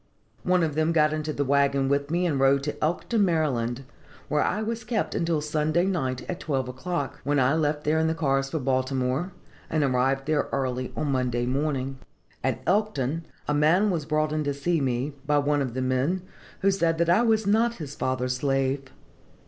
One of them got into the wagon with me, and rode to Elkton, Md., where I was kept until Sunday night at twelve o'clock, when I left there in the cars for Baltimore, and arrived there early on Monday morning. "At Elkton a man was brought in to see me, by one of the men, who said that I was not his father's slave.